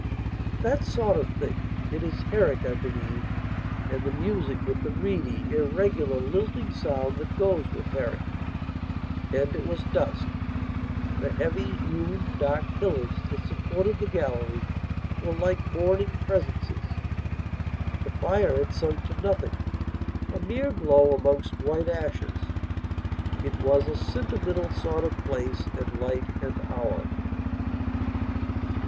That sort of thing. It is Herrick, I believe, and the music with the reedy, irregular, lilting sound that goes with Herrick, And it was dusk; the heavy, hewn, dark pillars that supported the gallery were like mourning presences; the fire had sunk to nothinga mere glow amongst white ashes.... It was a sentimental sort of place and light and hour....